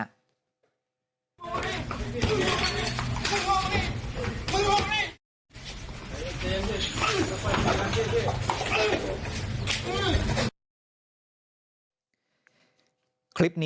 มึงกลับมานี่มึงกลับมานี่